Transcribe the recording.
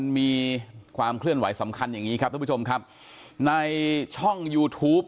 มีความเคลื่อนไหวสำคัญอย่างนี้ครับท่านผู้ชมครับในช่องยูทูป